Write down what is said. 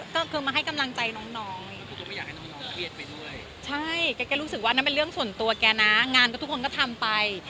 ก็คือมาให้กำลังใจน้องใช่แกรู้สึกว่าอันนั้นเป็นเรื่องส่วนตัวแกนะงานก็ทุกคนก็ทำไป